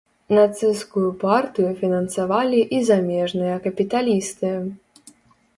Нацысцкую партыю фінансавалі і замежныя капіталісты.